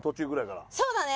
そうだね。